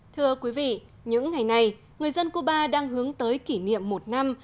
thưa quý vị những ngày này người dân cuba đang hướng tới kỷ niệm một năm